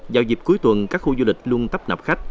vào dịp cuối tuần các khu du lịch luôn tấp nập khách